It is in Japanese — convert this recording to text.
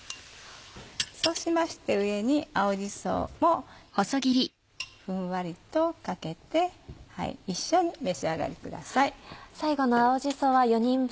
そうしまして上に青じそもふんわりとかけて一緒に召し上がりください。